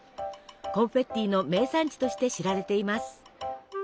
コンフェッティの名産地として知られています。